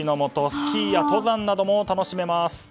スキーや登山なども楽しめます。